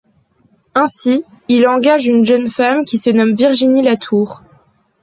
Ainsi il engage une jeune femme qui se nomme Virginie Latour.